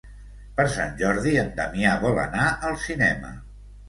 Per Sant Jordi en Damià vol anar al cinema.